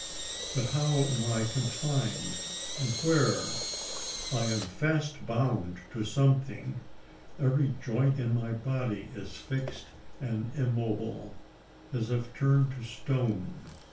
But how am I confined? and where? I am fast bound to something: every joint in my body is fixed and immobile, as if turned to stone!